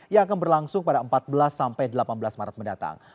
yang akan berlangsung pada empat belas sampai delapan belas maret mendatang